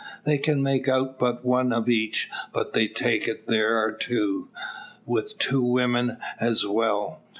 They can make out but one of each, but they take it there are two, with two women as well.